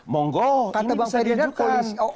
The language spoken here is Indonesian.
monggo ini bisa diperalat